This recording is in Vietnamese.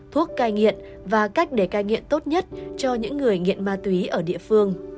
thuốc cai nghiện và cách để cai nghiện tốt nhất cho những người nghiện ma túy ở địa phương